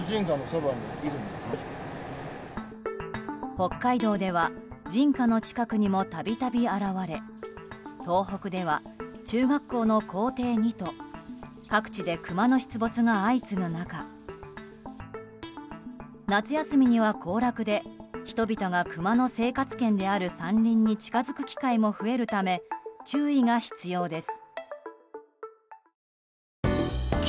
北海道では人家の近くにもたびたび現れ東北では中学校の校庭にと各地でクマの出没が相次ぐ中、夏休みには行楽で人々がクマの生活圏である山林に近づく機会も増えるため注意が必要です。